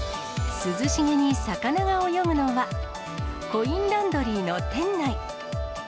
涼しげに魚が泳ぐのは、コインランドリーの店内。